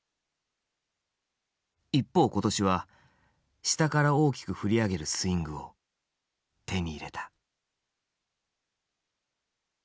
一方今年は下から大きく振り上げるスイングを手に入れた。